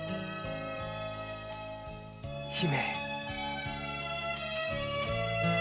姫。